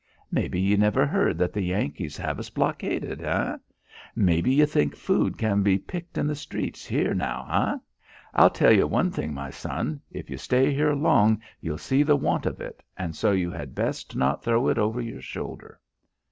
Maybe ye never heard that the Yankees have us blockaded, hey? Maybe ye think food can be picked in the streets here now, hey? I'll tell ye one thing, my son, if you stay here long you'll see the want of it and so you had best not throw it over your shoulder."